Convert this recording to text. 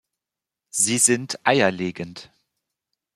Sie sind eierlegend.